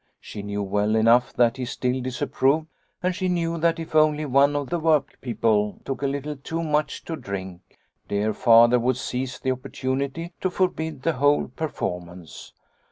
She knew well enough that he still disapproved, and she knew that if only one of the workpeople took a little too much to drink, dear Father would seize the opportunity to forbid the whole per formance.